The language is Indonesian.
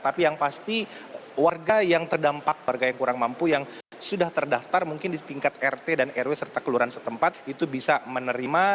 tapi yang pasti warga yang terdampak warga yang kurang mampu yang sudah terdaftar mungkin di tingkat rt dan rw serta kelurahan setempat itu bisa menerima